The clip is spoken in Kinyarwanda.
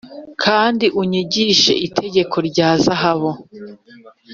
kandi unyigishe itegeko rya zahabu.